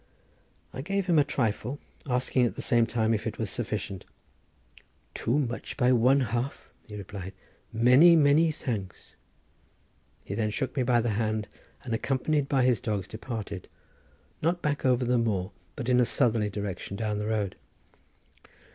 I gave him a trifle, asking at the same time if it was sufficient. "Too much by one half," he replied; "many, many thanks." He then shook me by the hand, and accompanied by his dogs departed, not back over the moor, but in a southerly direction down the road.